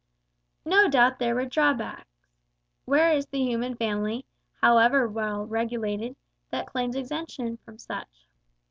No doubt there were drawbacks. Where is the human family, however well regulated, that claims exemption from such?